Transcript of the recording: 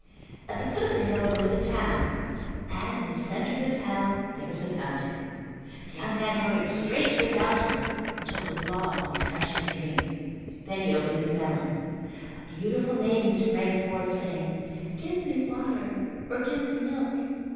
At the foot of the hill there was a town and in the centre of the town there was a fountain. The young man hurried straight to the fountain and took a long refreshing drink. Then he opened his melon. A beautiful maiden sprang forth saying, "Give me water or give me milk."